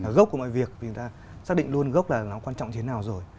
cái gốc của mọi việc thì người ta xác định luôn gốc là nó quan trọng thế nào rồi